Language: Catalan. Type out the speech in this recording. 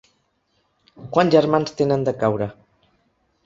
Quants germans tenen de caure.